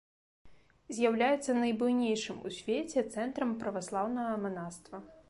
З'яўляецца найбуйнейшым у свеце цэнтрам праваслаўнага манаства.